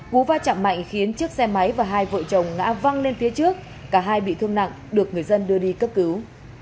cú va chạm mạnh khiến chiếc xe máy và hai vợ chồng ngã văng lên phía trước cả hai bị thương nặng được người dân đưa đi cấp cứu